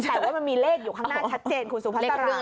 แต่ว่ามันมีเลขอยู่ข้างหน้าชัดเจนคุณสุภาษา